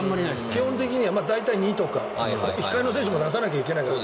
基本的には大体２とか控えの選手も出さないといけないから。